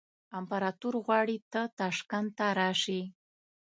امپراطور غواړي ته تاشکند ته راشې.